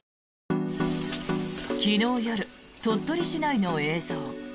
昨日夜、鳥取市内の映像。